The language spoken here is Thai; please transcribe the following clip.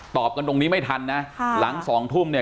กันตรงนี้ไม่ทันนะหลังสองทุ่มเนี่ย